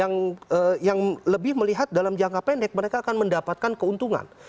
dampaknya terhadap perekonomian amerika dengan dunia usaha yang lebih melihat dalam jangka pendek mereka akan mendapatkan keuntungan